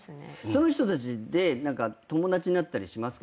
その人たちで友達になったりしますか？